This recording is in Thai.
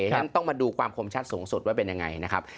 ฉะนั้นต้องมาดูความคมชัดสูงสุดว่าเป็นยังไงนะครับ